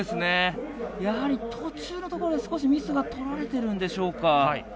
やはり、途中のところ少しミスがとられてるんでしょうか。